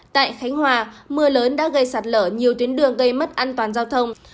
tại khánh hòa mưa lớn đã gây sạt lở nhiều tuyến đường gây mất an toàn giao thông